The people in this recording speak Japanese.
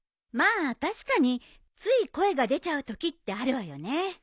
まあ確かについ声が出ちゃうときってあるわよね。